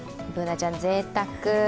Ｂｏｏｎａちゃん、ぜいたく。